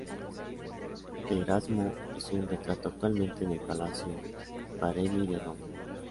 De Erasmo hizo un retrato, actualmente en el Palacio Barberini de Roma.